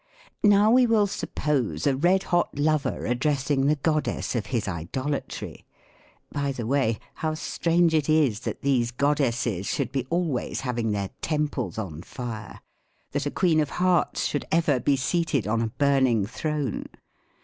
Now we will suppose a red hot lover addressing the goddess of liis idolatry — by the way, how strange it is, that these goddesses should be always having their ETYMOLOGY. 71 temples on fire, that a Queeen of Hearts should ever be seated on a burning throne